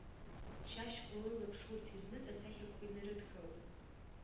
Шьашькәа лылаԥш урҭ ирныз асахьақәа инарыдхалт.